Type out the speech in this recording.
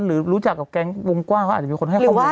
หรือรู้จักกับแก๊งวงกว้างก็อาจจะมีคนให้ข้อมูล